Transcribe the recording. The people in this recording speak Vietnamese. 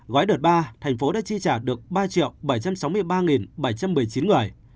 gói đợt ba thành phố đã chi trả được ba bảy trăm sáu mươi ba bảy trăm một mươi chín người